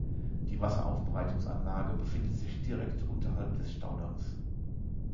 Die Wasseraufbereitungsanlage befindet sich direkt unterhalb des Staudammes.